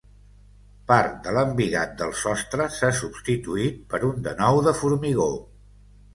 Part de l'embigat del sostre s'ha substituït per un de nou de formigó.